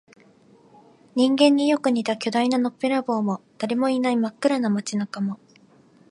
人間によく似た巨大なのっぺらぼうも、誰もいない真っ暗な街中も、